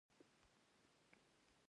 آیا ځینې ورته لوني نه وايي؟